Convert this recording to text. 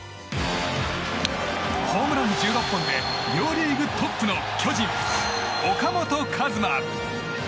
ホームラン１６本で両リーグトップの巨人、岡本和真。